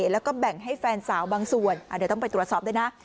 แล้วก็แบ่งให้แฟนสาวบางส่วนเดี๋ยวต้องไปตรวจสอบด้วยนะ